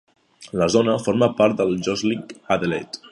La zona forma part del Geosyncline d'Adelaide.